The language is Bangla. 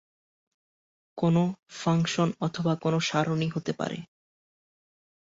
কোনো ফাংশন অথবা কোনো সারণী হতে পারে।